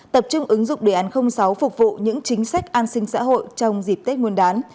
tập trung ứng dụng đề án sáu phục vụ những chính sách an sinh xã hội trong dịp tết nguyên đán